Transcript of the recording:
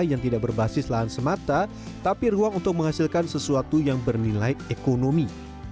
yang tidak berbasis lahan semata tapi ruang untuk menghasilkan sesuatu yang bernilai ekonomi